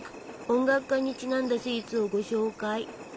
音楽家にちなんだスイーツをご紹介！